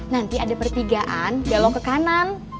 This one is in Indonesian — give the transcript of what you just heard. nanti ada pertigaan galong ke kanan